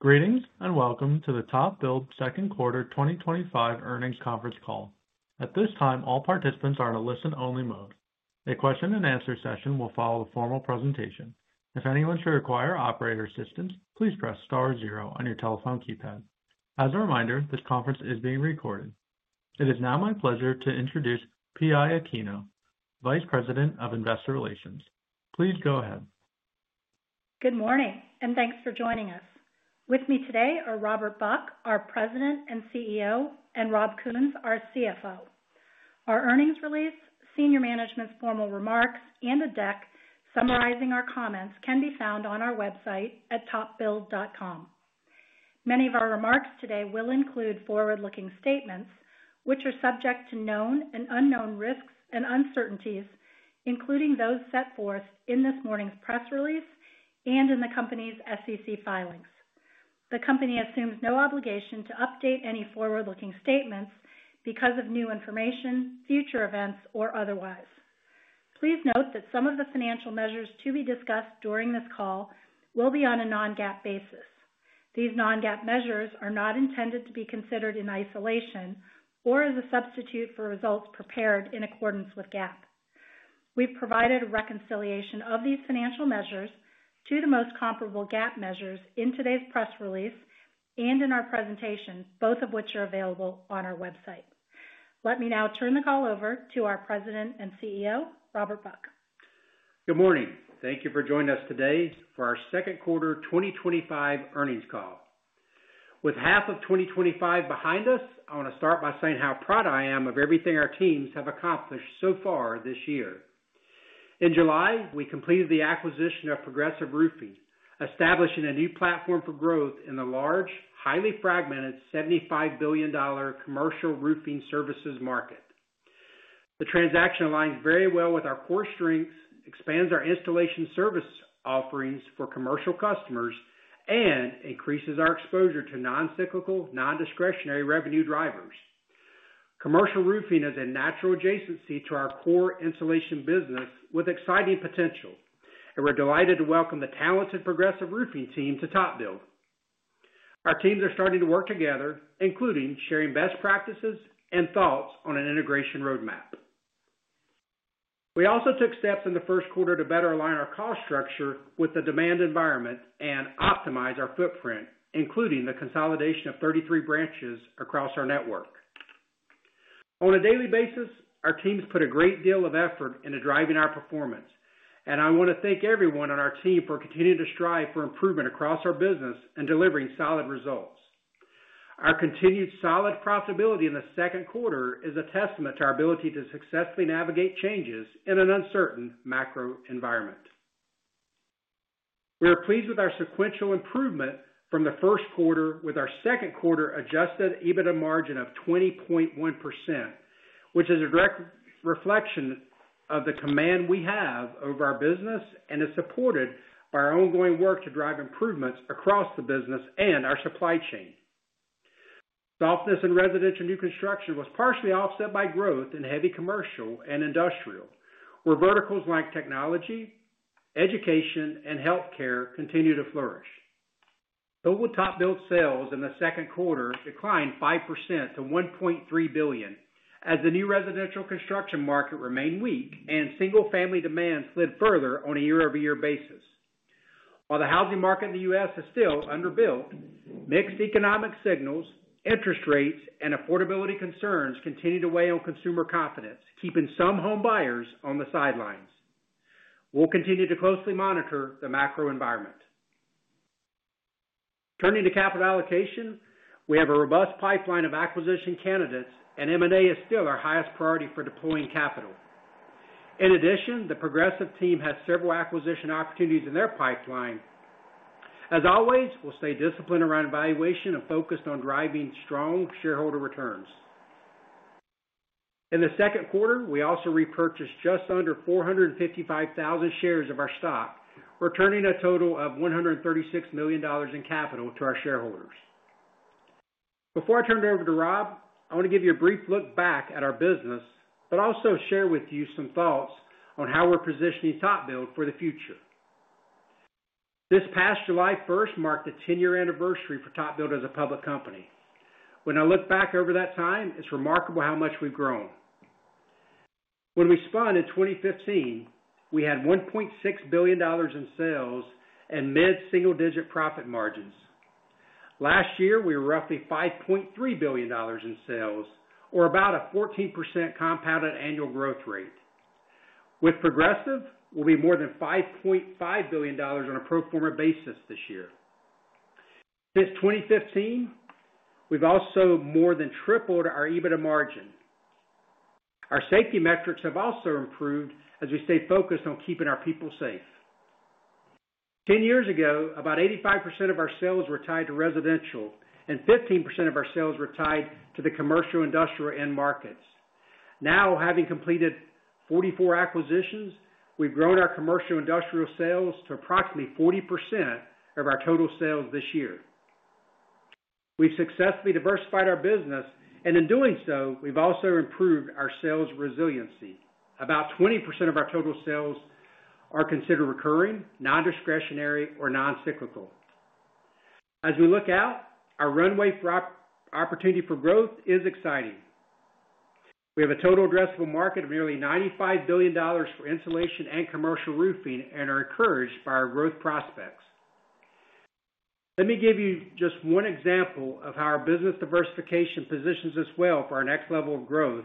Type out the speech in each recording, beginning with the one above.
Greetings and welcome to the TopBuild second quarter 2025 earnings conference call. At this time, all participants are in a listen-only mode. A question-and-answer session will follow the formal presentation. If anyone should require operator assistance, please press star zero on your telephone keypad. As a reminder, this conference is being recorded. It is now my pleasure to introduce P.I. Aquino, Vice President of Investor Relations. Please go ahead. Good morning and thanks for joining us. With me today are Robert Buck, our President and CEO, and Rob Kuhns, our CFO. Our earnings release, senior management's formal remarks, and a deck summarizing our comments can be found on our website at topbuild.com. Many of our remarks today will include forward-looking statements which are subject to known and unknown risks and uncertainties, including those set forth in this morning's press release and in the Company's SEC filings. The Company assumes no obligation to update any forward-looking statements because of new information, future events, or otherwise. Please note that some of the financial measures to be discussed during this call will be on a non-GAAP basis. These non-GAAP measures are not intended to be considered in isolation or as a substitute for results prepared in accordance with GAAP. We've provided a reconciliation of these financial measures to the most comparable GAAP measures in today's press release and in our presentation, both of which are available on our website. Let me now turn the call over to our President and CEO, Robert Buck. Good morning. Thank you for joining us today for our second quarter 2025 earnings call. With half of 2025 behind us, I want to start by saying how proud I am of everything our teams have accomplished so far this year. In July, we completed the acquisition of Progressive Roofing, establishing a new platform for growth in the large, highly fragmented $75 billion commercial roofing services market. The transaction aligns very well with our core strengths, expands our installation service offerings for commercial customers, and increases our exposure to non-cyclical, non-discretionary revenue drivers. Commercial roofing is a natural adjacency to our core insulation business with exciting potential, and we're delighted to welcome the talented Progressive Roofing team to TopBuild. Our teams are starting to work together, including sharing best practices and thoughts on an integration roadmap. We also took steps in the first quarter to better align our cost structure with the demand environment and optimize our footprint, including the consolidation of 33 branches across our network. On a daily basis, our team has put a great deal of effort into driving our performance, and I want to thank everyone on our team for continuing to strive for improvement across our business and delivering solid results. Our continued solid profitability in the second quarter is a testament to our ability to successfully navigate changes in an uncertain macro environment. We're pleased with our sequential improvement from the first quarter with our second quarter adjusted EBITDA margin of 20.1%, which is a direct reflection of the command we have over our business and is supported by our ongoing work to drive improvements across the business and our supply chain. Softness in residential new construction was partially offset by growth in heavy commercial and industrial, where verticals like technology, education, and health care continue to flourish. Total TopBuild sales in the second quarter declined 5% to $1.3 billion as the new residential construction market remained weak and single-family demand slid further on a year-over-year basis. While the housing market in the U.S. is still underbuilt, mixed economic signals, interest rates, and affordability concerns continue to weigh on consumer confidence, keeping some home buyers on the sidelines. We'll continue to closely monitor the macro environment. Turning to capital allocation, we have a robust pipeline of acquisition candidates and M&A is still our highest priority for deploying capital. In addition, the Progressive team has several acquisition opportunities in their pipeline. As always, we'll stay disciplined around valuation and focused on driving strong shareholder returns in the second quarter. We also repurchased just under 455,000 shares of our stock, returning a total of $136 million in capital to our shareholders. Before I turn it over to Rob, I want to give you a brief look back at our business, but also share with you some thoughts on how we're positioning TopBuild for the future. This past July 1 marked the 10 year anniversary for TopBuild as a public company. When I look back over that time, it's remarkable how much we've grown. When we spun in 2015, we had $1.6 billion in sales and mid single digit profit margins. Last year we were roughly $5.3 billion in sales or about a 14% compounded annual growth rate. With Progressive, we'll be more than $5.5 billion on a pro forma basis this year. Since 2015, we've also more than tripled our EBITDA margin. Our safety metrics have also improved as we stay focused on keeping our people safe. Ten years ago, about 85% of our sales were tied to residential and 15% of our sales were tied to the commercial industrial end markets. Now, having completed 44 acquisitions, we've grown our commercial industrial sales to approximately 40% of our total sales. This year we've successfully diversified our business and in doing so we've also improved our sales resiliency. About 20% of our total sales are considered recurring, non-discretionary or non-cyclical. As we look out, our runway for opportunity for growth is exciting. We have a total addressable market of nearly $95 billion for insulation and commercial roofing and are encouraged by our growth prospects. Let me give you just one example of how our business diversification positions us well for our next level of growth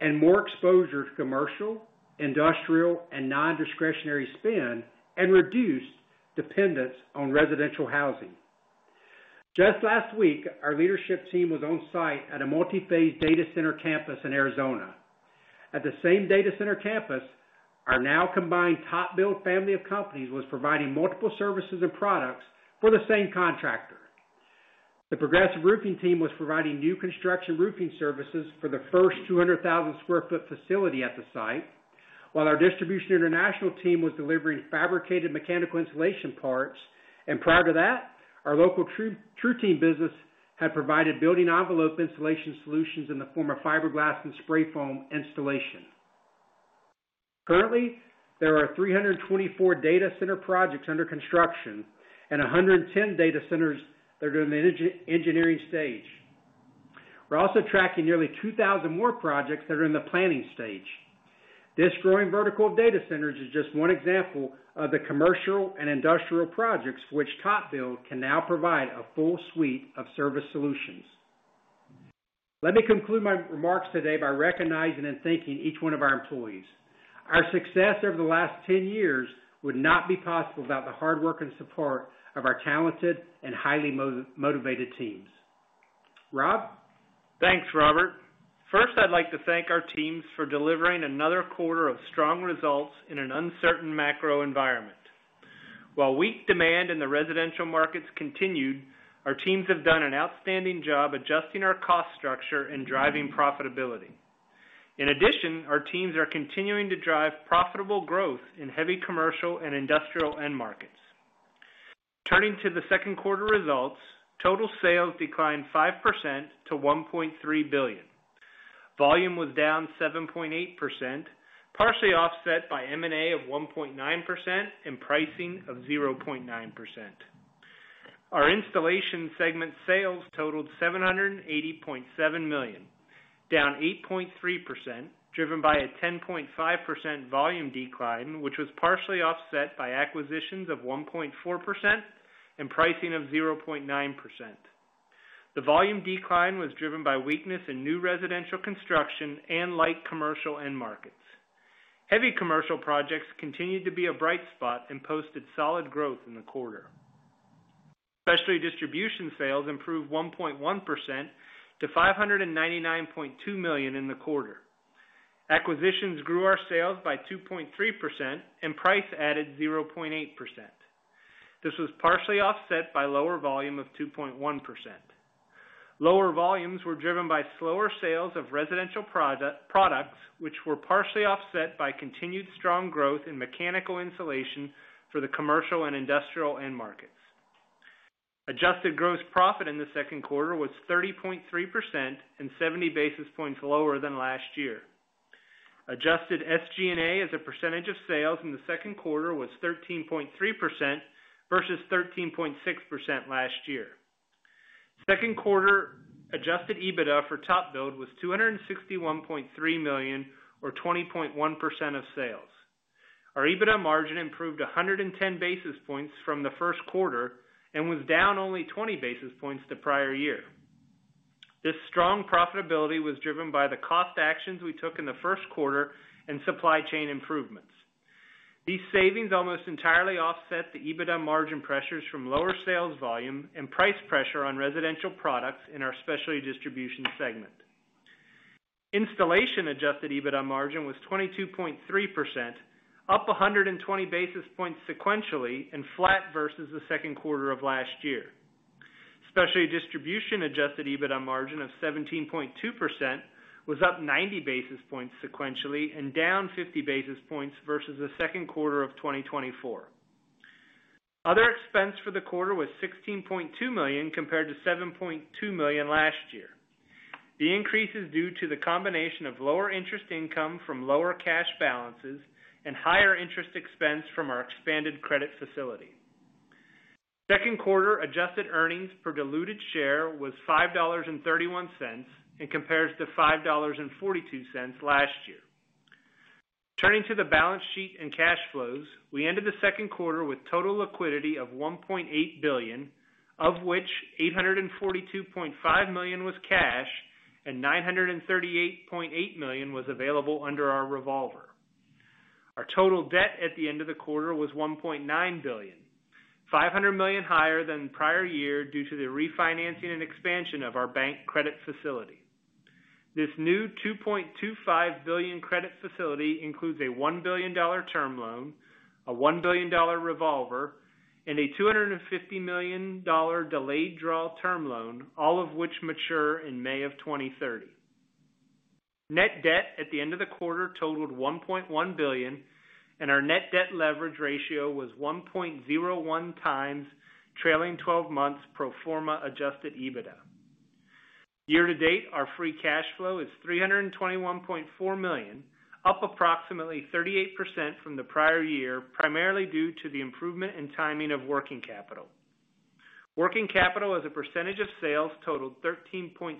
and more exposure to commercial, industrial and non-discretionary spend and reduced dependence on residential housing. Just last week our leadership team was on site at a multi-phase data center campus in Arizona. At the same data center campus, our now combined TopBuild family of companies was providing multiple services and products for the same contractor. The Progressive Roofing team was providing new construction roofing services for the first 200,000 square foot facility at the site, while our Distribution International team was delivering fabricated mechanical insulation parts, and prior to that, our local TruTeam business had provided building envelope insulation solutions in the form of fiberglass and spray foam installation. Currently, there are 324 data center projects under construction and 110 data centers that are in the engineering stage. We're also tracking nearly 2,000 more projects that are in the planning stage. This growing vertical, data centers, is just one example of the commercial and industrial projects for which TopBuild can now provide a full suite of service solutions. Let me conclude my remarks today by recognizing and thanking each one of our employees. Our success over the last 10 years would not be possible without the hard work and support of our talented and highly motivated teams. Rob, Thanks Robert. First, I'd like to thank our teams for delivering another quarter of strong results in an uncertain macro environment. While weak demand in the residential markets continued, our teams have done an outstanding job adjusting our cost structure and driving profitability. In addition, our teams are continuing to drive profitable growth in heavy commercial and industrial end markets. Turning to the second quarter results, total sales declined 5% to $1.3 billion. Volume was down 7.8%, partially offset by M&A of 1.9% and pricing of 0.9%. Our installation segment sales totaled $780.7 million, down 8.3%, driven by a 10.5% volume decline, which was partially offset by acquisitions of 1.4% and pricing of 0.9%. The volume decline was driven by weakness in new residential construction and light commercial end markets. Heavy commercial projects continued to be a bright spot and posted solid growth in the quarter. Specialty distribution sales improved 1.1% to $599.2 million in the quarter. Acquisitions grew our sales by 2.3% and price added 0.8%. This was partially offset by lower volume of 2.1%. Lower volumes were driven by slower sales of residential products, which were partially offset by continued strong growth in mechanical insulation for the commercial and industrial end markets. Adjusted gross profit in the second quarter was 30.3%, and 70 basis points lower than last year. Adjusted SGA as a percentage of sales in the second quarter was 13.3% versus 13.6% last year. Second quarter adjusted EBITDA for TopBuild was $261.3 million, which was 20.1% of sales. Our EBITDA margin improved 110 basis points from the first quarter and was down only 20 basis points from the prior year. This strong profitability was driven by the cost actions we took in the first quarter and supply chain improvements. These savings almost entirely offset the EBITDA margin pressures from lower sales volume and price pressure on residential products in our specialty distribution segment. Installation adjusted EBITDA margin was 22.3%, up 120 basis points sequentially and flat versus the second quarter of last year. Specialty distribution adjusted EBITDA margin of 17.2% was up 90 basis points sequentially and down 50 basis points versus the second quarter of 2024. Other expense for the quarter was $16.2 million compared to $7.2 million last year. The increase is due to the combination of lower interest income from lower cash balances and higher interest expense from our expanded credit facility. Second quarter adjusted earnings per diluted share was $5.31 and compares to $5.42 last year. Turning to the balance sheet and cash flows, we ended the second quarter with total liquidity of $1.8 billion, of which $842.5 million was cash and $938.8 million was available under our revolver. Our total debt at the end of the quarter was $1.9 billion, $500 million higher than prior year due to the refinancing and expansion of our bank credit facility. This new $2.25 billion credit facility includes a $1 billion term loan, a $1 billion revolver, and a $250 million delayed draw term loan, all of which mature in May of 2030. Net debt at the end of the quarter totaled $1.1 billion and our net debt leverage ratio was 1.01 times trailing twelve months pro forma adjusted EBITDA. Year to date our free cash flow is $321.4 million, up approximately 38% from the prior year, primarily due to the improvement and timing of working capital. Working capital as a percentage of sales totaled 13.7%,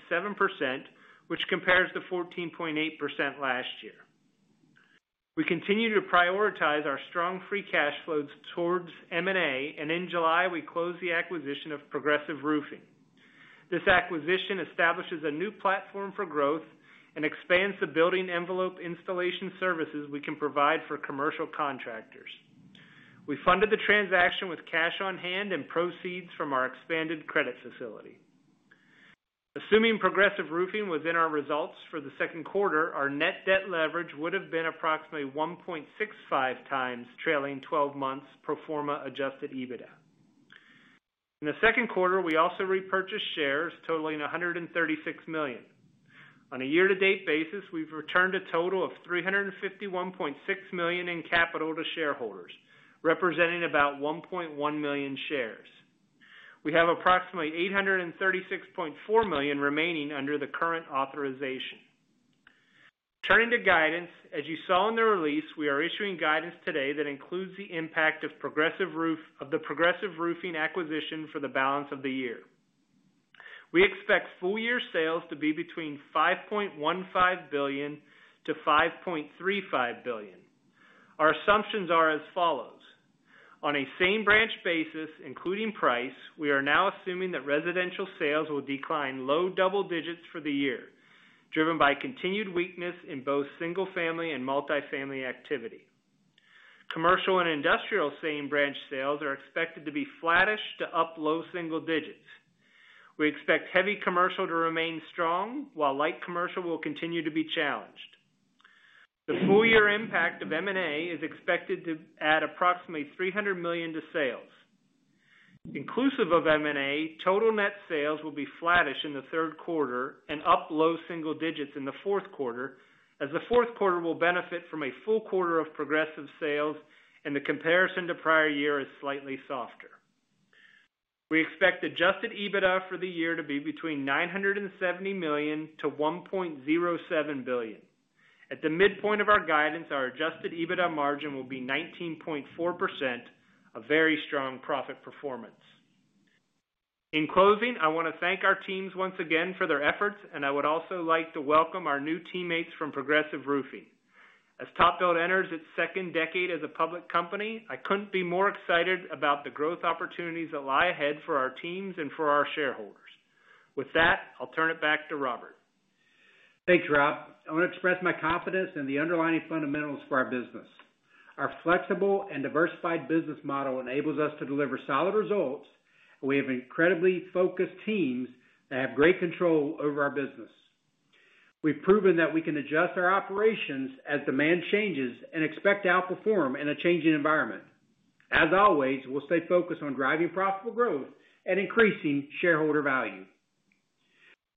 which compares to 14.8% last year. We continue to prioritize our strong free cash flows towards M&A and in July we closed the acquisition of Progressive Roofing. This acquisition establishes a new platform for growth and expands the building envelope installation services we can provide for commercial contractors. We funded the transaction with cash on hand and proceeds from our expanded credit facility. Assuming Progressive Roofing was in our results for the second quarter, our net debt leverage would have been approximately 1.65x trailing twelve months pro forma adjusted EBITDA. In the second quarter, we also repurchased shares totaling $136 million. On a year to date basis, we've returned a total of $351.6 million in capital to shareholders representing about 1.1 million shares. We have approximately $836.4 million remaining under the current authorization. Turning to guidance, as you saw in the release, we are issuing guidance today that includes the impact of the Progressive Roofing acquisition. For the balance of the year, we expect full year sales to be between $5.15 billion-$5.35 billion. Our assumptions are as follows. On a same branch basis including price, we are now assuming that residential sales will decline low double digits for the year, driven by continued weakness in both single family and multifamily activity. Commercial and industrial same branch sales are expected to be flattish to up low single digits. We expect heavy commercial to remain strong while light commercial will continue to be challenged. The full year impact of M&A is expected to add approximately $300 million to sales. Inclusive of M&A, total net sales will be flattish in the third quarter and up low single digits in the fourth quarter. As the fourth quarter will benefit from a full quarter of Progressive Roofing sales and the comparison to prior year is slightly softer, we expect adjusted EBITDA for the year to be between $970 million-$1.07 billion. At the midpoint of our guidance, our adjusted EBITDA margin will be 19.4%, a very strong profit performance. In closing, I want to thank our teams once again for their efforts and I would also like to welcome our new teammates from Progressive Roofing. As TopBuild enters its second decade as a public company, I couldn't be more excited about the growth opportunities that lie ahead for our company and for our shareholders. With that, I'll turn it back to Robert. Thanks, Rob. I want to express my confidence in the underlying fundamentals for our business. Our flexible and diversified business model enables us to deliver solid results. We have incredibly focused teams that have great control over our business. We've proven that we can adjust our operations as demand changes and expect to outperform in a changing environment. As always, we'll stay focused on driving profitable growth and increasing shareholder value.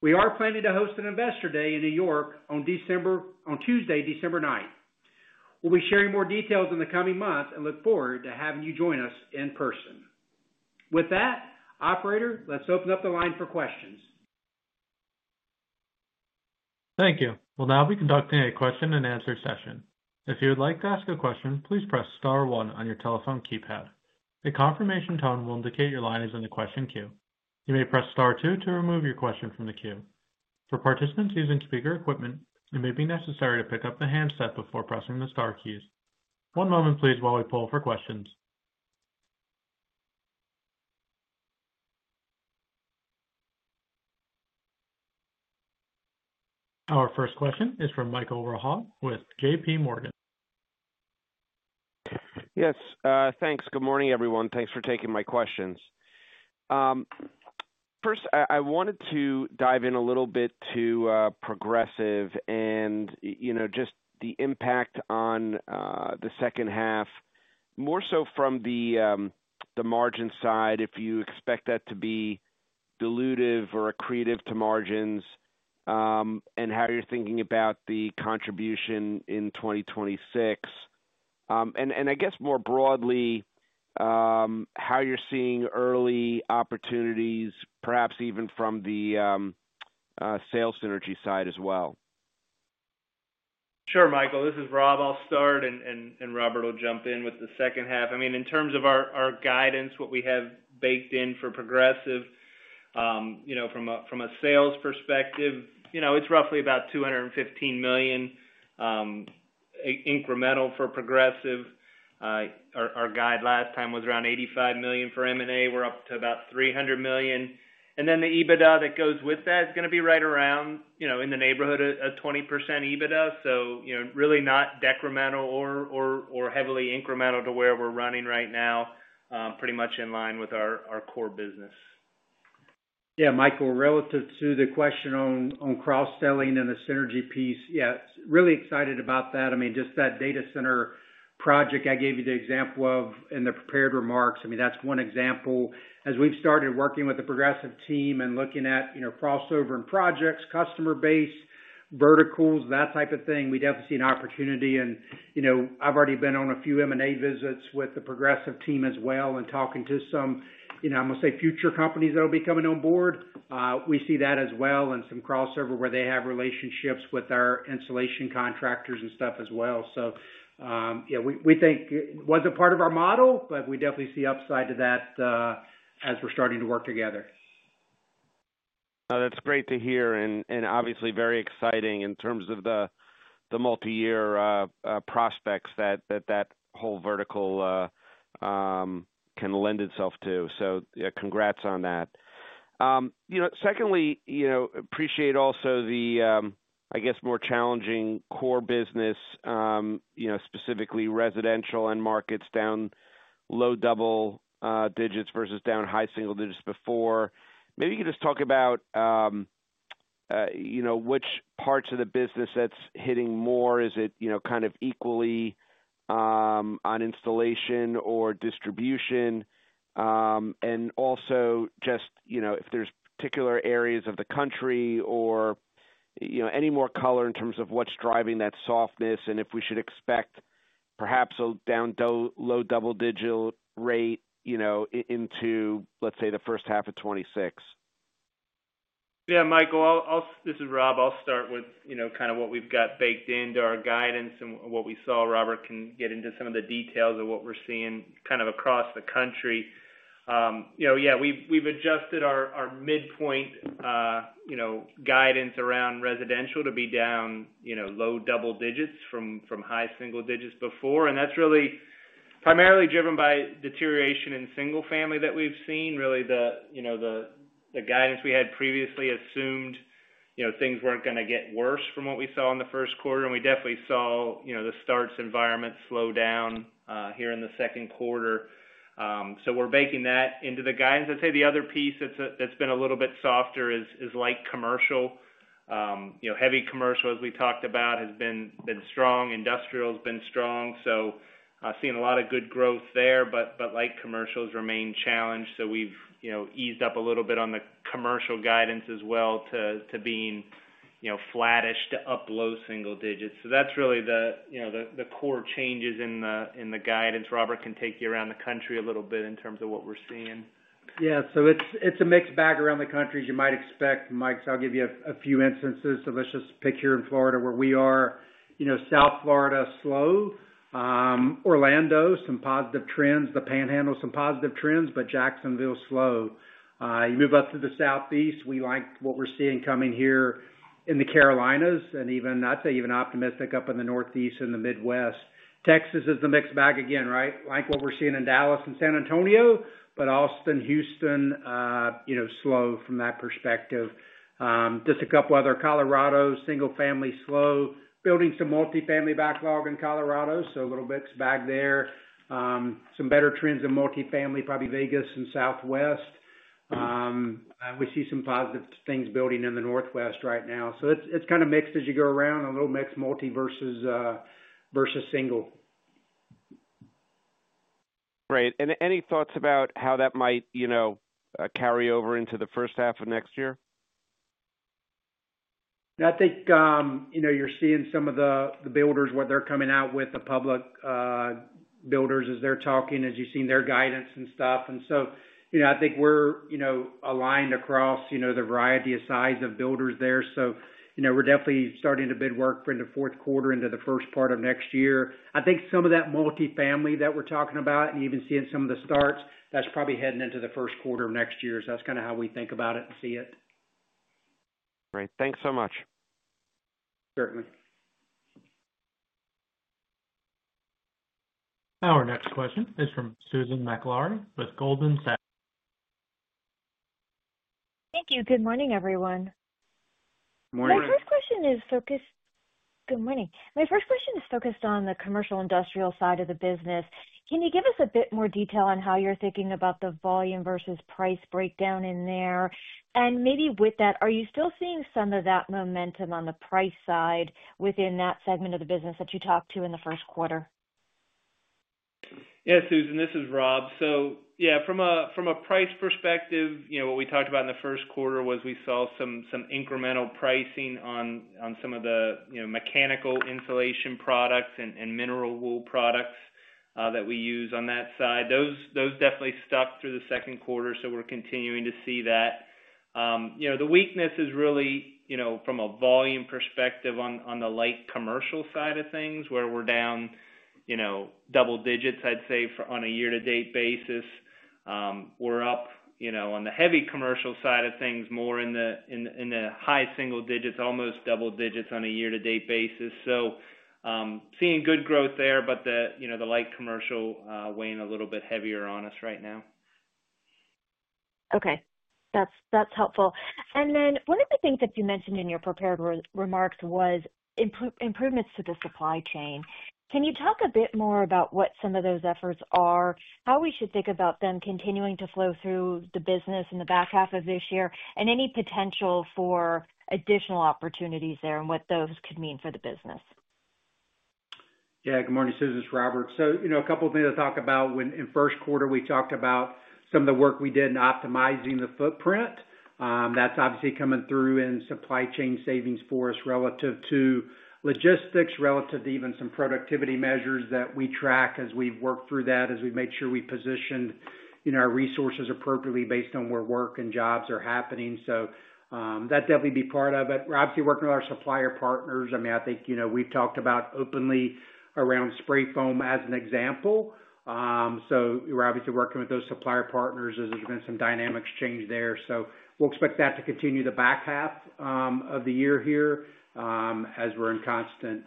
We are planning to host an Investor Day in New York on Tuesday, December 9th. We'll be sharing more details in the coming months and look forward to having you join us in person. With that, operator, let's open up the line for questions. Thank you. We'll now be conducting a question and answer session. If you would like to ask a question, please press star one on your telephone keypad. A confirmation tone will indicate your line is in the question queue. You may press star two to remove your. Question from the queue. For participants using speaker equipment, it may be necessary to pick up the handset before pressing the star keys. One moment, please, while we poll for questions. Our first question is from Michael Rehaut with JPMorgan. Yes, thanks. Good morning, everyone. Thanks for taking my questions. First. I wanted to dive in a little bit to Progressive and, you know, just the impact on the second half, more so from the margin side if you expect that to be dilutive or accretive to margins and how you're thinking about the contribution in 2026, and I guess more broadly how you're seeing early opportunities, perhaps even from the sales synergy side as well. Sure. Michael, this is Rob. I'll start and Robert will jump in with the second half. In terms of our guidance, what we have baked in for Progressive, from a sales perspective, it's roughly about $215 million incremental for Progressive. Our guide last time was around $85 million for M&A, we're up to about $300 million. The EBITDA that goes with that is going to be right around, in the neighborhood, a 20% EBITDA. It's really not decremental or heavily incremental to where we're running right now, pretty much in line with our core business. Yeah, Michael, relative to the question on cross-selling and the synergy piece, really excited about that. I mean, just that data center project I gave you the example of in the prepared remarks, that's one example. As we've started working with the Progressive team and looking at crossover and projects, customer base verticals, that type of thing, we definitely see an opportunity. I've already been on a few M&A visits with the Progressive team as well and talking to some, I must say, future companies that will be coming on board. We see that as well and some crossover where they have relationships with our installation contractors and stuff as well. We think it was a part of our model, but we definitely see upside to that as we're starting to work together. That's great to hear and obviously very exciting in terms of the multi-year prospects that whole vertical can lend itself to. Congrats on that. Secondly, appreciate also the, I guess, more challenging core business, specifically residential end markets down low double digits versus down high single digits before. Maybe you could just talk about that. Which. Parts of the business that's hitting more. Is it kind of equally on installation or distribution, and also just, you know, if there's particular areas of the country or, you know, any more color in terms of what's driving that softness and if we should expect perhaps a down low double digit rate, you know, into let's say first half of 2026. Yeah. Michael, this is Rob. I'll start with what we've got baked into our guidance and what we saw. Robert can get into some of the details of what we're seeing across the country. We've adjusted our midpoint guidance around residential to be down low double digits from high single digits before. That's really primarily driven by deterioration in single family that we've seen. The guidance we had previously assumed things weren't going to get worse from what we saw in the first quarter. We definitely saw the starts environment slow down here in the second quarter, so we're baking that into the guidance. I'd say the other piece that's been a little bit softer is light commercial. Heavy commercial, as we talked about, has been strong, industrial has been strong, so seeing a lot of good growth there. Light commercial has remained challenged. We've eased up a little bit on the commercial guidance as well to being flattish to up low single digits. That's really the core changes in the guidance. Robert can take you around the country a little bit in terms of what we're seeing. Yeah, it's a mixed bag around the country, as you might expect, Mike. I'll give you a few instances. Here in Florida, where we are, South Florida is slow. Orlando has some positive trends. The Panhandle has some positive trends, but Jacksonville is slow. You move up to the Southeast. We like what we're seeing coming here in the Carolinas, and I'd say even optimistic up in the Northeast. In the Midwest, Texas is the mixed bag again. We like what we're seeing in Dallas and San Antonio, but Austin and Houston are slow from that perspective. Just a couple others, Colorado single family is slow, building some multifamily backlog in Colorado, so a little mixed bag there. Some better trends in multifamily, probably Vegas and Southwest. We see some positive things building in the Northwest right now. It's kind of mixed as you go around. A little mixed, multi versus single. Great. Do you have any thoughts about how that might carry over into the first? Half of next year? I think you're seeing some of the builders where they're coming out with the public builders as they're talking, as you've seen their guidance and stuff. I think we're aligned across the variety of size of builders there. We're definitely starting to bid work for the fourth quarter into the first part of next year. I think some of that multifamily that we're talking about and even seeing some of the starts that's probably heading into the first quarter of next year. That's kind of how we think about it and see it. Great. Thanks so much. Certainly. Our next question is from Susan Maklari with Goldman Sachs. Thank you. Good morning, everyone. Good morning. My first question is focus. Good morning. My first question is focused on the commercial industrial side of the business. Can you give us a bit more detail on how you're thinking about the volume versus price breakdown in there? Maybe with that, are you still seeing some of that momentum on the price side within that segment of the business that you talked to in the first quarter? Yeah. Susan, this is Rob. From a price perspective, what we talked about in the first quarter was we saw some incremental pricing on some of the mechanical insulation products and mineral wool products that we use on that side. Those definitely stuck through the second quarter. We're continuing to see that. The weakness is really, you know, from a volume perspective on the light commercial side of things, where we're down, you know, double digits, I'd say, on a year to date basis. We're up, you know, on the heavy commercial side of things more in the high single digits, almost double digits on a year to date basis. Seeing good growth there. The light commercial is weighing a little bit heavier on us right now. Okay, that's helpful. One of the things that you mentioned in your prepared remarks was improvements to the supply chain. Can you talk a bit more about? What some of those efforts are, how we should think about them continuing to flow through the business in the back half of this year, and any potential for additional opportunities there, and what those could mean for the business? Good morning, Susan, it's Robert. A couple of things to talk about. In first quarter we talked about some of the work we did in optimizing the footprint that's obviously coming through in supply chain savings for us relative to logistics, relative to even some productivity measures that we track as we work through that, as we've made sure we positioned our resources appropriately based on where work and jobs are happening. That will definitely be part of it. Obviously, working with our supplier partners, I think we've talked about openly around spray foam as an example. We're obviously working with those supplier partners as there's been some dynamics change there. We expect that to continue the back half of the year here as we're in constant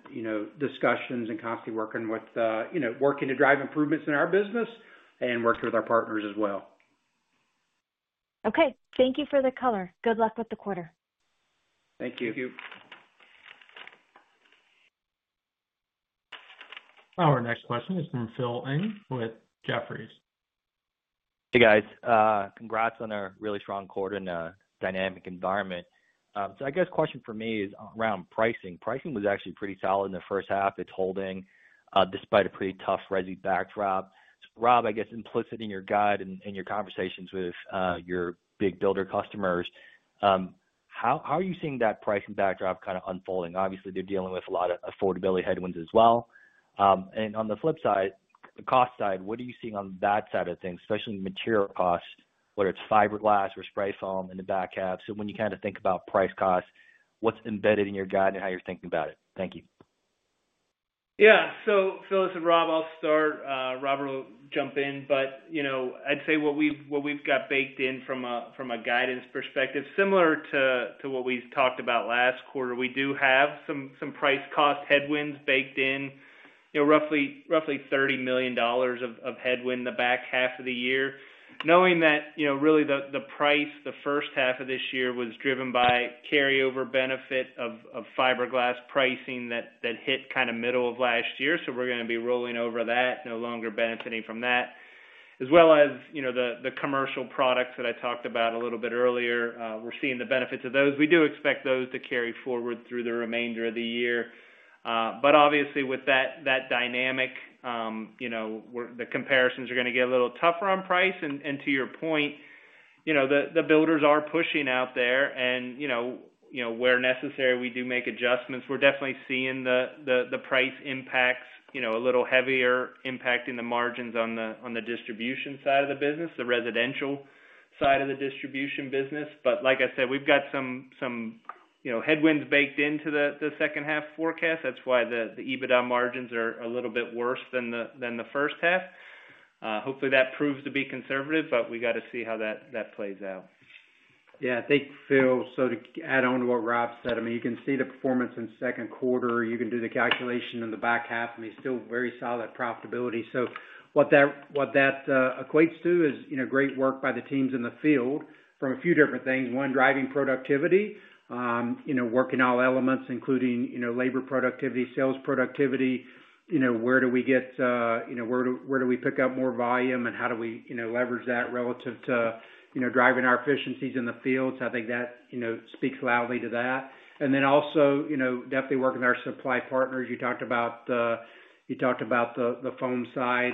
discussions and constantly working to drive improvements in our business and working with our partners as well. Thank you for the color. Good luck with the quarter. Thank you. Our next question is from Phil Ng with Jefferies. Hey guys, congrats on a really strong quarter in a dynamic environment. I guess question for me is around pricing. Pricing was actually pretty solid in the first half. It's holding despite a pretty tough resi backdrop. Rob, I guess implicit in your guide and your conversations with your big builder customers, how are you seeing that pricing backdrop kind of unfolding? Obviously, they're dealing with a lot of affordability headwinds as well. On the flip side, the cost side, what are you seeing on that side of things, especially material costs, whether it's fiberglass or spray foam in the back half. When you kind of think about price costs, what's embedded in your guide and how you're thinking about it. Thank you. Yeah. So Phil and Rob, I'll start. Robert will jump in. I'd say what we've got baked in from a guidance perspective, similar to what we talked about last quarter, we do have some price-cost headwinds baked in, roughly $30 million of headwind in the back half of the year. Knowing that really the price in the first half of this year was driven by the carryover benefit of fiberglass pricing that hit kind of middle of last year, we're going to be rolling over that, no longer benefiting from that. As well as the commercial products that I talked about a little bit earlier, we're seeing the benefits of those. We do expect those to carry forward through the remainder of the year. Obviously, with that dynamic, the comparisons are going to get a little tougher on price. To your point, the builders are pushing out there and where necessary, we do make adjustments. We're definitely seeing the price impacts a little heavier, impacting the margins on the distribution side of the business, the residential side of the distribution business. Like I said, we've got some headwinds baked into the second half forecast. That's why the EBITDA margins are a little bit worse than the first half. Hopefully that proves to be conservative, but we got to see how that plays out. Yeah, I think, Phil. To add on to what Rob said, you can see the performance in the second quarter, you can do the calculation in the back half. Still very solid profitability. What that equates to is great work by the teams in the field from a few different things. One, driving productivity, working all elements, including labor productivity, sales productivity, where do we get, where do we pick up more volume and how do we leverage that relative to driving our efficiencies in the field. I think that speaks loudly to that. Also, definitely working our supply partners, you talked about the foam side,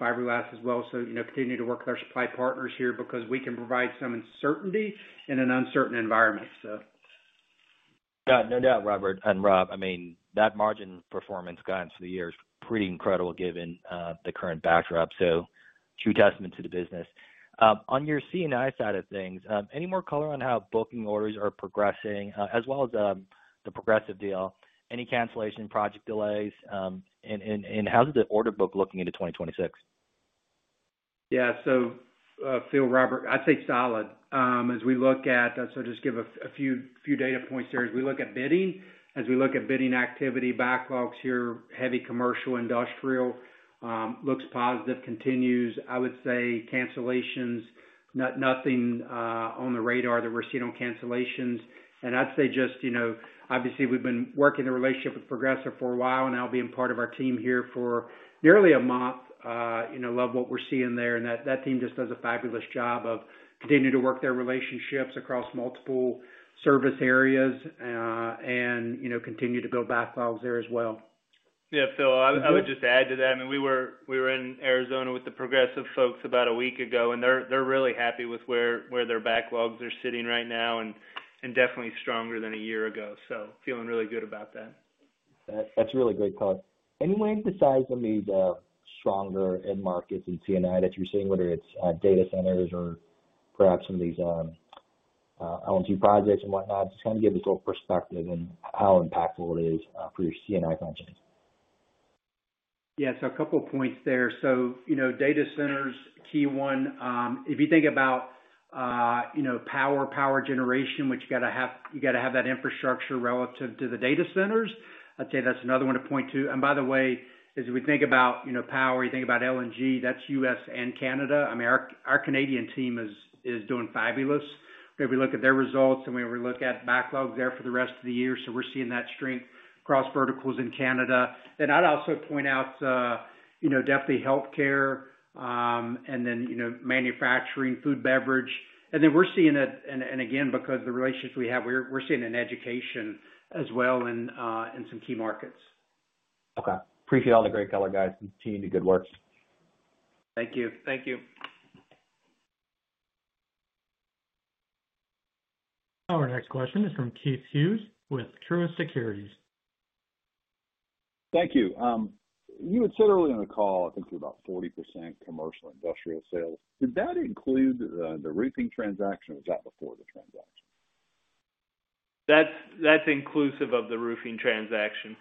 fiberglass as well. Continue to work with our supply partners here because we can provide some uncertainty in an uncertain environment. No doubt, Robert and Rob, I mean, that margin performance guidance for the year is pretty incredible given the current backdrop. True testament to the business. On your C&I side of things, any more color on how booking orders are progressing as well as the Progressive deal, any cancellation, project delays, and how's the order book looking into 2026? Yeah. Phil, Robert, I'd say solid as we look at, just give a few data points there. As we look at bidding, as we look at bidding activity, backlogs here, heavy commercial industrial looks positive, continues. I would say cancellations, nothing on the radar that we're seeing on cancellations. I'd say just, you know, obviously we've been working the relationship with Progressive for a while and now being part of our team here for nearly a month, love what we're seeing there and that team just does a fabulous job of continuing to work their relationships across multiple service areas and continue to build backlogs there as well. Yeah, Phil, I would just add to that. I mean, we were in Arizona with the Progressive folks about a week ago and they're really happy with where their backlogs are sitting right now, definitely stronger than a year ago. Feeling really good about that. That's really great, Rob. Anyway, besides, on the stronger end markets in C&I that you're seeing, whether it's data centers or perhaps some of these LNG projects and whatnot, just kind of give me a little perspective and how impactful it is for your C&I functions. Yeah, a couple points there. Data centers, key one, if you think about power, power generation, which you got to have. You got to have that infrastructure relative to the data centers. I'd say that's another one to point to. By the way, as we think about power, you think about LNG, that's U.S. and Canada. I mean, our Canadian team is doing fabulous. Maybe look at their results. When we look at backlog there for the rest of the year, we're seeing that strength across verticals in Canada. I'd also point out definitely healthcare and then manufacturing, food, beverage, and then we're seeing it. Again, because of the relationships we have, we're seeing in education as well in some key markets. Okay, appreciate all the great color, guys. Continue the good work. Thank you. Thank you. Our next question is from Keith Hughes with Truist Securities. Thank you. You had said earlier on the call. I think you're about 40% commercial industrial sale. Did that include the roofing transaction, or was that before the transaction? That's inclusive of the roofing transaction.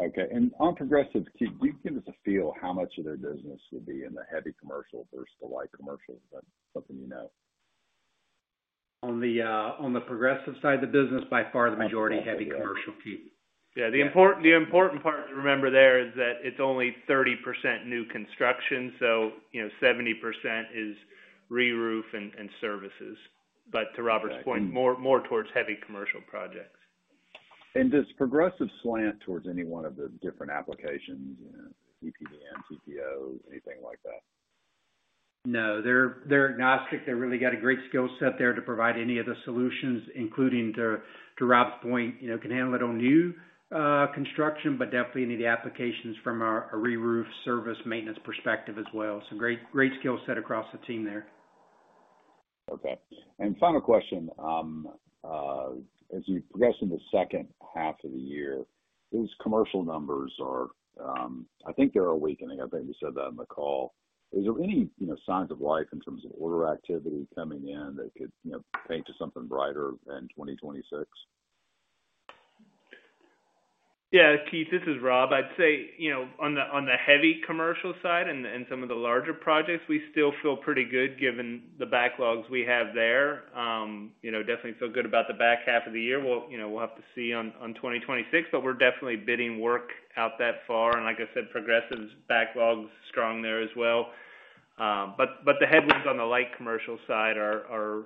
Okay. On Progressive, can you give us a feel how much of their business would be in the heavy commercial versus the light commercial? Something, you know. On the Progressive side of the business, by far the majority heavy commercial people. Yeah. The important part to remember there is that it's only 30% new construction. You know, 70% is reroof and services. To Robert's point, more towards heavy commercial projects. Does Progressive slant towards any one of the different applications, even CPO, anything like that? No, they're agnostic. They really got a great skill set there to provide any of the solutions, including, to Rob's point, you know, can handle it on, you know, construction, but definitely any of the applications from a reroof service maintenance perspective as well. Great, great skill set across the team there. Okay, and final question, as you progress in the second half of the year, those commercial numbers are, I think they're weakening. I think you said that in the call. Is there any, you know, signs of life in terms of order activity coming in that could point to something brighter in 2026? Yeah. Keith, this is Rob. I'd say, you know, on the heavy commercial side and some of the larger projects, we still feel pretty good given the backlogs we have there. Definitely feel good about the back half of the year. We'll have to see on 2026, but we're definitely bidding work out that far. Like I said, Progressive's backlog's strong there as well. The headwinds on the light commercial side are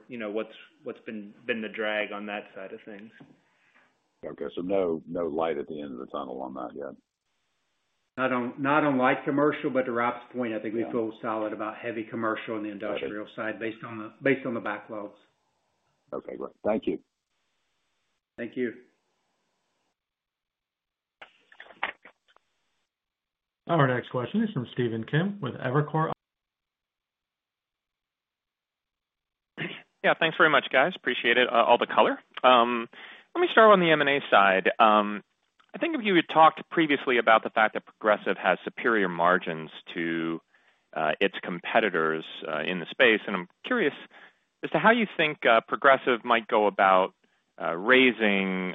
what's been the drag on that side of things. Okay, no light at the end of the tunnel on that yet. Not unlike commercial, to Rob's point, I think we feel solid about heavy commercial on the industrial side based on the backlogs. Okay, thank you. Thank you. Our next question is from Stephen Kim with Evercore. Yeah, thanks very much, guys. Appreciate it. All the color. Let me start on the M&A side. I think you had talked previously about. The fact that Progressive Roofing has superior margins to its competitors in the space. I'm curious as to how you. Think Progressive might go about raising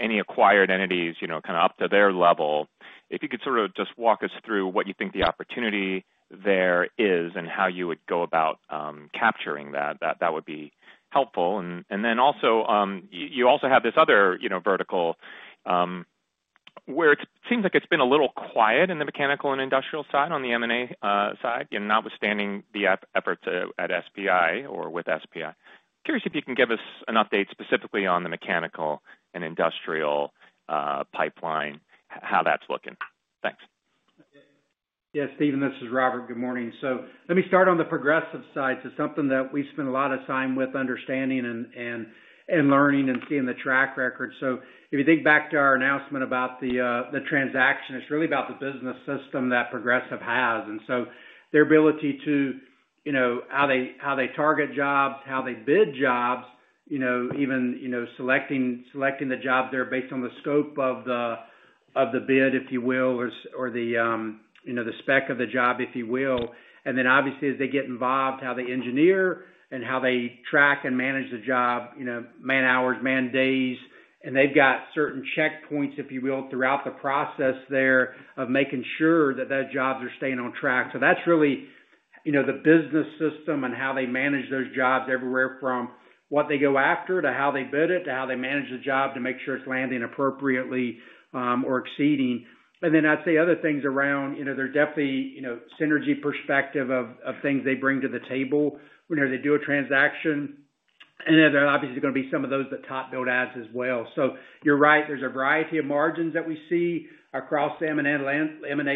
any acquired entities, you know, kind of up to their level. If you could just walk us through what you think the opportunity there is and how you would go about capturing that, that would be helpful. You also have this other vertical where it seems like it's. Been a little quiet in the mechanical. On the industrial side, on the M&A side, notwithstanding the efforts at SPI or with SPI, curious if you can give us an update specifically on the mechanical and industrial pipeline, how that's looking. Thanks. Yes, Stephen, this is Robert. Good morning. Let me start on the Progressive side. Something that we spend a lot of time with, understanding and learning and seeing the track record. If you think back to our announcement about the transaction, it's really about the business system that Progressive has, and their ability to, you know, how they target jobs, how they bid jobs, even selecting the job there based on the scope of the bid, if you will, or the spec of the job, if you will. Obviously, as they get involved, how they engineer and how they track and manage the job, man hours, man days, and they've got certain checkpoints, if you will, throughout the process there of making sure that jobs are staying on track. That's really the business system and how they manage those jobs everywhere from what they go after to how they bid it to how they manage the job to make sure it's landing appropriately or exceeding. I'd say other things around, they're definitely, from a synergy perspective, things they bring to the table whenever they do a transaction. There are obviously going to be some of those that TopBuild adds as well. You're right, there's a variety of margins that we see across the M&A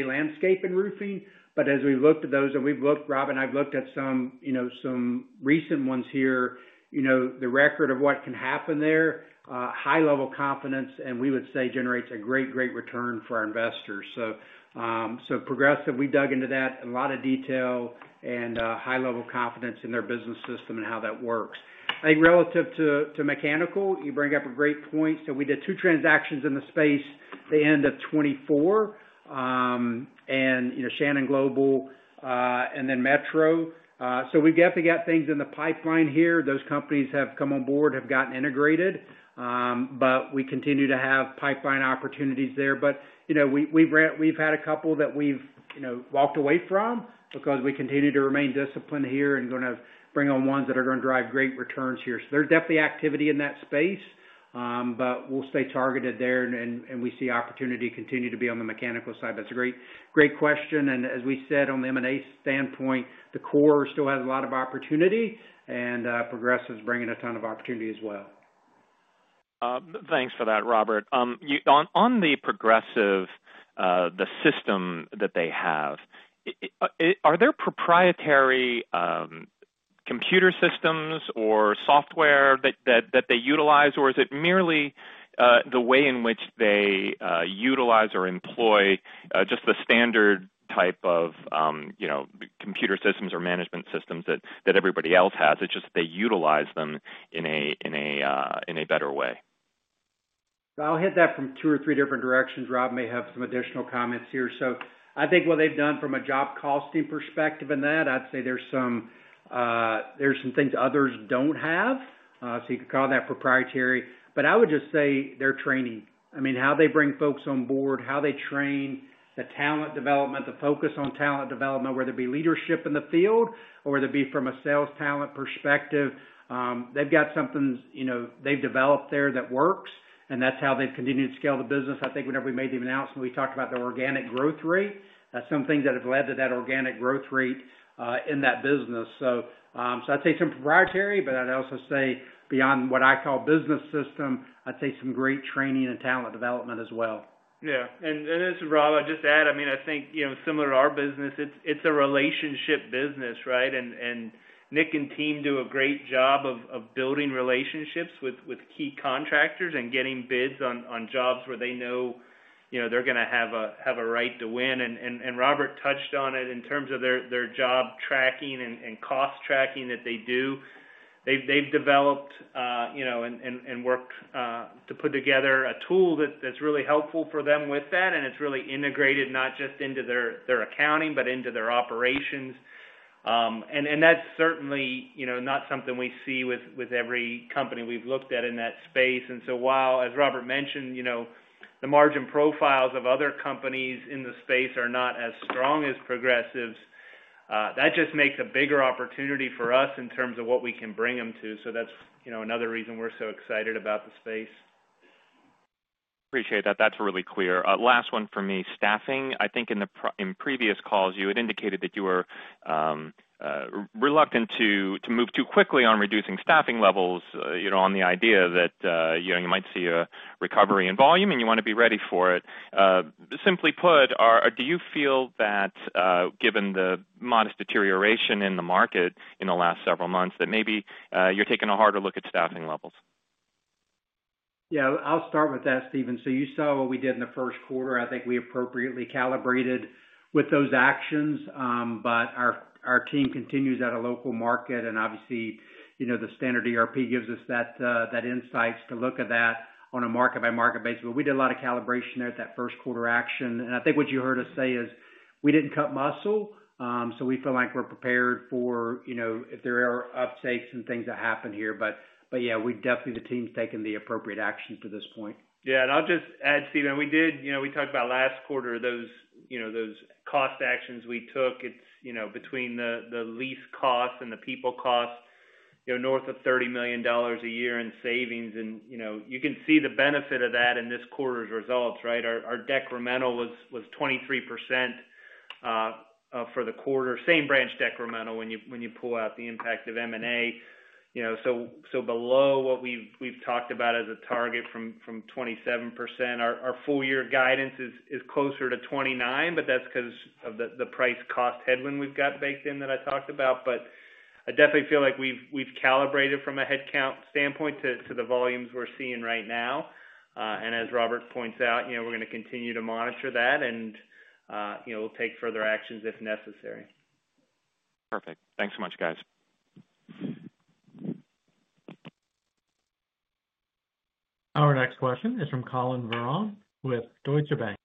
landscape and roofing. As we looked at those, and Rob and I've looked at some recent ones here, the record of what can happen there, high level confidence, and we would say generates a great, great return for our investors. Progressive, we dug into that, a lot of detail and high level confidence in their business system and how that works. I think relative to mechanical, you bring up a great point. We did two transactions in the space at the end of 2024, Shannon Global and then Metro. We've definitely got things in the pipeline here. Those companies have come on board, have gotten integrated, but we continue to have pipeline opportunities there. We've had a couple that we've walked away from because we continue to remain disciplined here and are going to bring on ones that are going to drive great returns here. There's definitely activity in that space, but we'll stay targeted there and we see opportunity continue to be on the mechanical side. That's a great, great question. As we said on the M&A standpoint, the core still has a lot of opportunity and Progressive's bringing in a ton of opportunity as well. Thanks for that, Robert. On the Progressive, the system that they. Are there proprietary computer systems? Software that they utilize, or is it. merely the way in which they utilize or employ just the standard type of computer systems or management systems that everybody else has? It's just they utilize them in a better way. I'll hit that from two or three different directions. Rob may have some additional comments here. I think what they've done from a job costing perspective, in that I'd say there's some things others don't have. You could call that proprietary, but I would just say their training, how they bring folks on board, how they train, the talent development, the focus on talent development, whether it be leadership in the field or whether it be from a sales talent perspective, they've got something they've developed there that works and that's how they've continued to scale the business. I think whenever we made the announcement, we talked about the organic growth rate. That's something that has led to that organic growth rate in that business. I'd say some proprietary, but I'd also say beyond what I call business system, some great training and talent development as well. Yeah. This is Rob, I just add, I mean, I think, you know, similar to our business, it's a relationship business. Right. Nick and team do a great job of building relationships with key contractors and getting bids on jobs where they know they're going to have a right to win. Robert touched on it in terms of their job tracking and cost tracking that they do. They've developed and worked to put together a tool that's really helpful for them with that. It's really integrated not just into their accounting but into their operations. That's certainly not something we see with every company we've looked at in that space. While, as Robert mentioned, the margin profiles of other companies in the space are not as strong as Progressive's, that just makes a bigger opportunity for us in terms of what we can bring them to. That's another reason we're so excited about the space. Appreciate that. That's really clear. Last one for me, staffing. I think in previous calls you had. Indicated that you were. Reluctant to move too quickly on reducing staffing levels on the idea that you might see a recovery in volume and you want to. Be ready for it. Simply put, do you feel that given the modest deterioration in the market in the last several months, that maybe you're taking a harder look at staffing levels? Yeah, I'll start with that, Stephen. You saw what we did in the first quarter. I think we appropriately calibrated with those actions. Our team continues at a local market and obviously, you know, the standard ERP gives us that insight to look at that on a market by market basis. We did a lot of calibration there at that first quarter action and I think what you heard us say is we didn't cut muscle. We feel like we're prepared for, you know, if there are uptakes and things that happen here. Yeah, we definitely, the team's taking the appropriate actions to this point. Yeah. I'll just add, Stephen, we talked about last quarter those cost actions we took. It's between the lease costs and the people costs, north of $30 million a year in savings, and you can see the benefit of that in this quarter's results. Right. Our decremental was 23% for the quarter, same branch decremental. When you pull out the impact of M&A, so below what we've talked about as a target from 27%. Our full year guidance is closer to 29%, and that's because of the price-cost headwind we've got baked in that I talked about. I definitely feel like we've calibrated from a headcount standpoint to the volumes we're seeing right now. As Robert points out, we're going to continue to monitor that, and we'll take further actions if necessary. Perfect. Thanks so much, guys. Our next question is from Colin Voron with Deutsche Bank.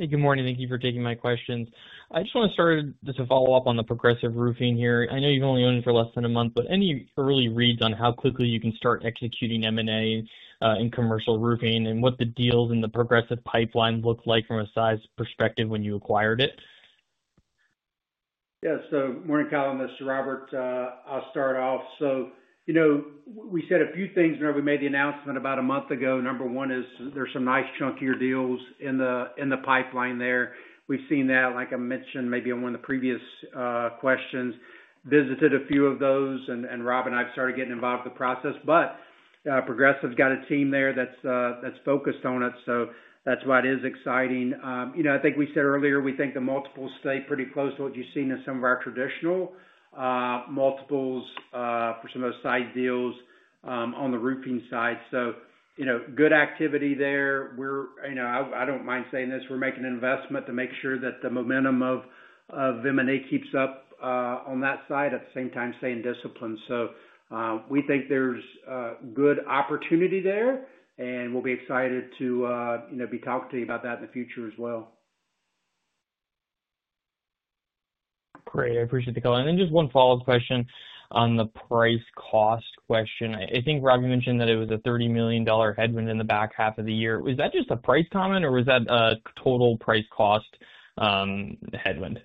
Hey, good morning. Thank you for taking my questions. I just want to start to follow up on the Progressive Roofing here. I know you've only owned it for. Less than a month, but any early. Reads on how quickly you can start executing M&A in commercial roofing. What the deals in the Progressive Roofing. Pipeline look like from a size perspective. When you acquired it? Yes. So. Morning Colin, this is Robert. I'll start off. You know, we said a few things whenever we made the announcement about a month ago. Number one is there's some nice chunkier deals in the pipeline there. We've seen that, like I mentioned maybe on one of the previous questions, visited a few of those and Rob and I've started getting involved in the process, but Progressive's got a team there that's focused on it. That's why it is exciting. I think we said earlier we think the multiples stay pretty close to what you've seen in some of our traditional multiples for some of the side deals on the roofing side. Good activity there. I don't mind saying this. We're making an investment to make sure that the momentum of M&A keeps up on that side, at the same time staying disciplined. We think there's good opportunity there and we'll be excited to be talking to you about that in the future as well. Great, I appreciate the color. And then just one follow up question on the price-cost question. I think Rob mentioned that it was a $30 million headwind in the back. Half of the year. Was that just a price comment? Was that a total price-cost headwind?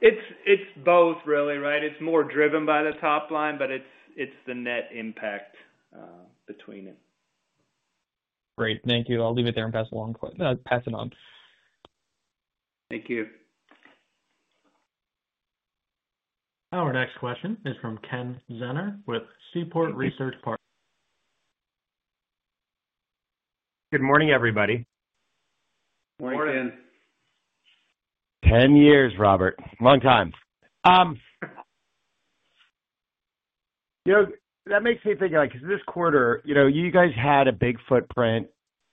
It's both, really. It's more driven by the top line, but it's the net impact between it. Great, thank you. I'll leave it there and pass it on. Thank you. Our next question is from Ken Zener with Seaport Research Partners. Good morning, everybody. Morning. Ten years, Robert, long time. That makes me think because this quarter, you guys had a big footprint,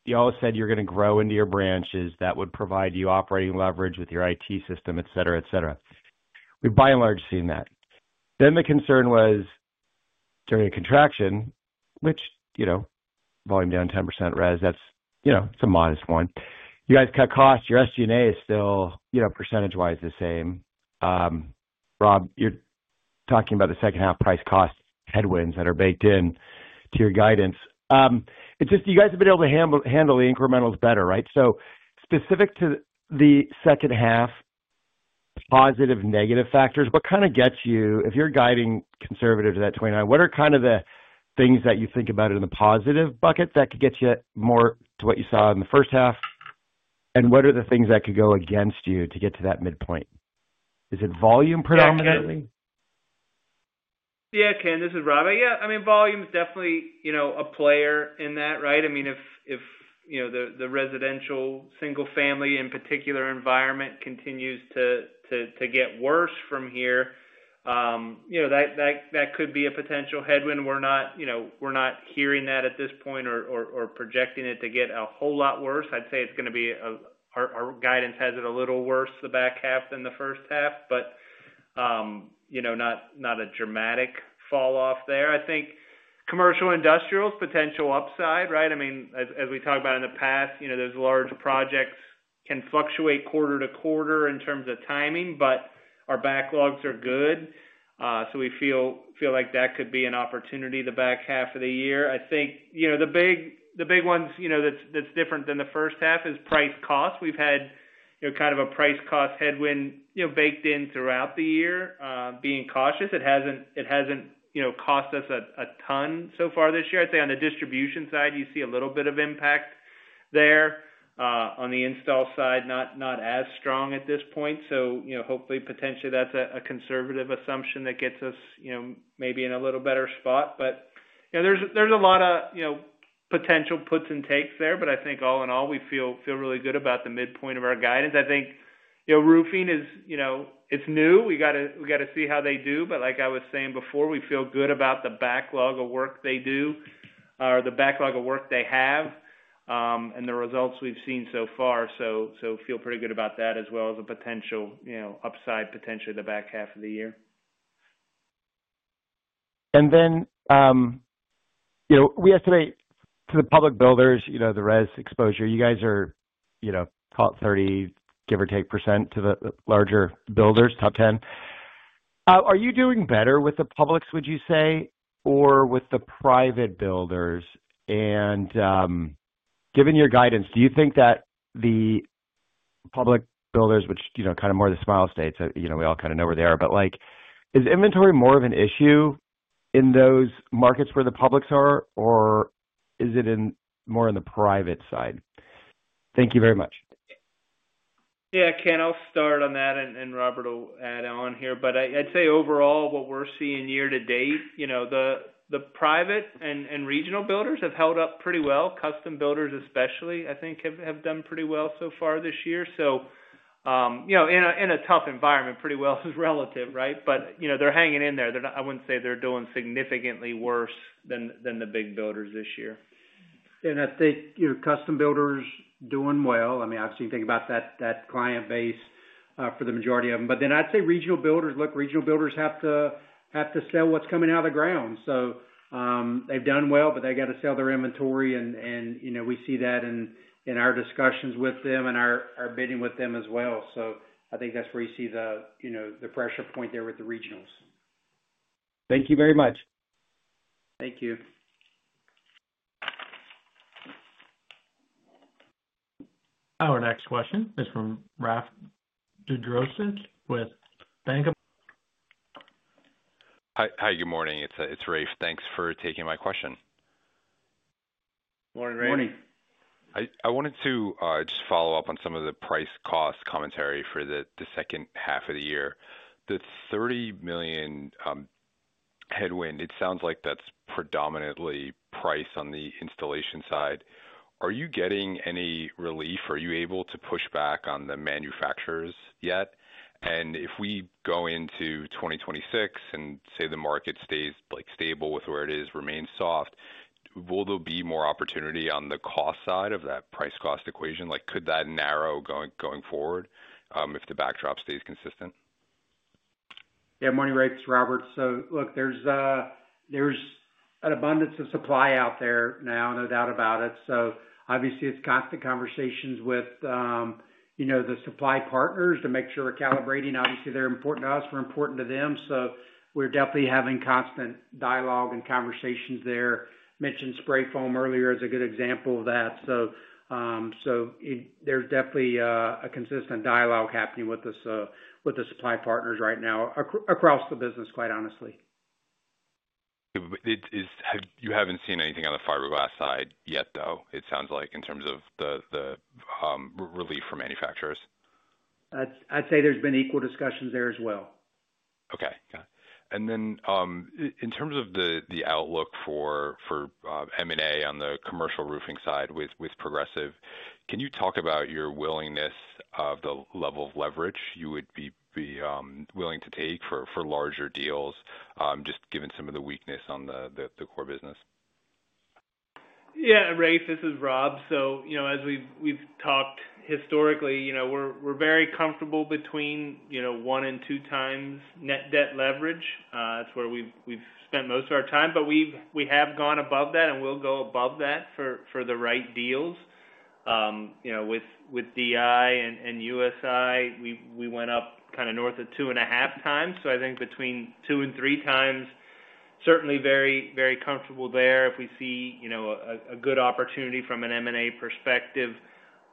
you all said you're going to grow into your branches that would provide you operating leverage with your IT system, et cetera, et cetera. We by and large seen that. The concern was during a contraction which, you know, volume down 10% res. That's, you know, it's a modest one. You guys cut costs. Your SG&A is still, you know, percentage wise the same. Rob, you're talking about the second half price-cost headwinds that are baked in to your guidance. It's just you guys have been able. To handle the incrementals better. Right. Specific to the second half, positive. Negative factors, what kind of gets you, if you're guiding conservative to that 29. What are the things that you think about in the positive bucket that could get you more to what. You saw in the first half? What are the things that could go against you to get to that midpoint? Is it volume? Predominantly, yeah. Ken, this is Rob. Yeah, I mean volume is definitely a player in that. Right. I mean if the residential single family in particular environment continues to get worse from here, that could be a potential headwind. We're not hearing that at this point or projecting it to get a whole lot worse. I'd say it's going to be, our guidance has it a little worse the back half than the first half, but not a dramatic fall off there. I think commercial industrials, potential upside. Right. I mean, as we talked about in the past, those large projects can fluctuate quarter to quarter in terms of timing, but our backlogs are good, so we feel like that could be an opportunity. The back half of the year, I think the big ones that's different than the first half is price-cost. We've had kind of a price-cost headwind baked in throughout the year, being cautious. It hasn't cost us a ton so far this year. I think on the distribution side, you see a little bit of impact there. On the install side, not as strong at this point. Hopefully potentially that's a conservative assumption that gets us maybe in a little better spot. There's a lot of potential puts and takes there. I think all in all, we feel really good about the midpoint of our guidance. I think roofing is new. We got to see how they do. Like I was saying before, we feel good about the backlog of work they do or the backlog of work they have and the results we've seen so far, so feel pretty good about that as well as a potential upside, potentially the back half of the year. We estimate to the public builders, the res exposure you guys are, you know, call. It's 30%, give or take, to the larger builders. Top 10. Are you doing better with the publics, would you say, or with the private builders? Given your guidance, do you think that the public builders, which, you know, kind of more the smile states, you know, we all kind of know where they are. Is inventory more of an. Issue in those markets where the publics? Is it more on the private side? Thank you very much. Ken, I'll start on that. Robert will add on here. I'd say overall, what we're seeing year to date, the private and regional builders have held up pretty well. Custom builders especially, I think have done pretty well so far this year. In a tough environment, pretty well is relative, right, but they're hanging in there. I wouldn't say they're doing significantly worse than the big builders this year. I think your custom builders are doing well. I mean, I've seen, think about that client base for the majority of them. I'd say regional builders, look, regional builders have to sell what's coming out of the ground. They've done well, but they have to sell their inventory. We see that in our discussions with them and our bidding with them as well. I think that's where you see the pressure point with the regionals. Thank you very much. Thank you. Our next question is from Rafe Jaladrosich with Bank of America. Hi, good morning, it's Rafe. Thanks for taking my question. Morning, Rafe. Morning. I wanted to just follow up on some of the price-cost commentary for the second half of the year. The $30 million headwind, it sounds like that's predominantly price on the installation side. Are you getting any relief? Are you able to push back on the manufacturers yet? If we go into 2026 and say the market stays stable with where it is, remains soft, will there be more opportunity on the cost side of that price-cost equation, like could that narrow going forward if the backdrop stays consistent? Yeah. Morning, Robert. Look, there's an abundance of supply out there now, no doubt about it. Obviously, it's constant conversations with the supply partners to make sure we're calibrating. They're important to us, we're important to them. We're definitely having constant dialogue and conversations there. Mentioned spray foam earlier as a good example of that. There's definitely a consistent dialogue happening with the supply partners right now across the business, quite honestly. You haven't seen anything on the fiberglass side yet, though it sounds like in terms of the relief from manufacturers. I'd say there's been equal discussions there as well. Okay. In terms of the outlook for M&A on the commercial roofing side with Progressive, can you talk about your willingness or the level of leverage you would be willing to take for larger deals, just given some of the weakness on the core business? Yeah. Rafe, this is Rob. As we've talked historically, we're very comfortable between, you know, one and two times net debt leverage. That's where we've spent most of our time, but we have gone above that and we'll go above that for the right deals. With DI and USI, we went up kind of north of two and a half times, so I think between two and three times. Certainly very, very comfortable there if we see a good opportunity from an M&A perspective.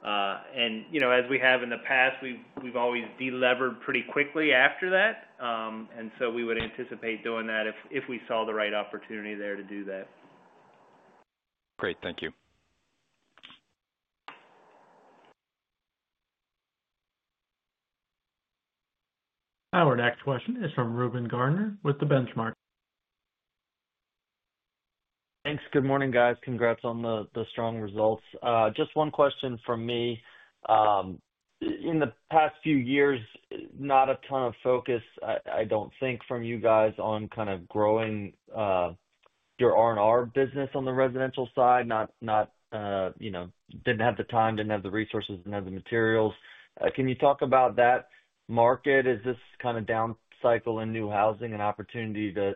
As we have in the past, we've always delevered pretty quickly after that. We would anticipate doing that if we saw the right opportunity there to do that. Great. Thank you. Our next question is from Reuben Garner with Benchmark Company. Thanks. Good morning, guys. Congrats on the strong results. Just one question from me. In the past few years, not a ton of focus, I don't think, from you guys on kind of growing your R&R business on the residential side. Not, you know, didn't have the time, didn't have the resources, didn't have the materials. Can you talk about that market? Is this kind of down cycle in new housing an opportunity to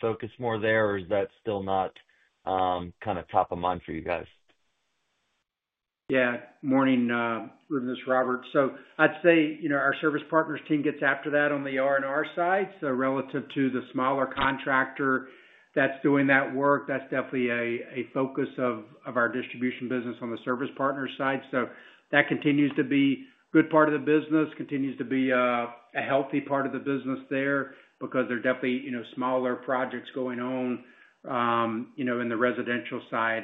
focus more there, or is that still not kind of top of mind for you guys? Yeah. Morning, this is Robert. I'd say, you know, our Service Partners team gets after that on the R&R side. Relative to the smaller contractor that's doing that work, that's definitely a focus of our distribution business on the Service Partners side. That continues to be a good part of the business, continues to be a healthy part of the business there because there are definitely, you know, smaller projects going on in the residential side.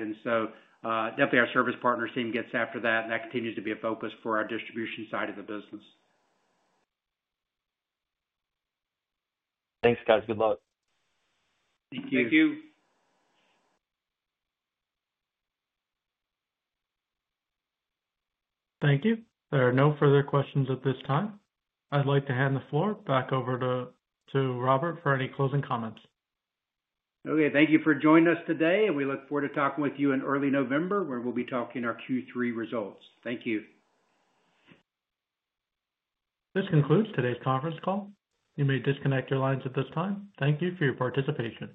Our Service Partners team gets after that, and that continues to be a focus for our distribution side of the business. Thanks, guys. Good luck. Thank you. Thank you. There are no further questions at this time. I'd like to hand the floor back over to Robert for any closing comments. Okay. Thank you for joining us today and we look forward to talking with you in early November, where we'll be talking our Q3 results. Thank you. This concludes today's conference call. You may disconnect your lines at this time. Thank you for your participation.